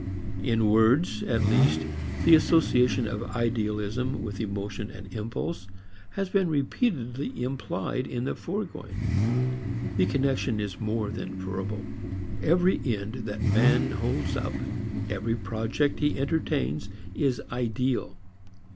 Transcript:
In words at least, the association of idealism with emotion and impulse has been repeatedly implied in the foregoing. The connection is more than verbal. Every end that man holds up, every project he entertains is ideal.